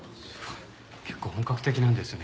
結構本格的なんですね。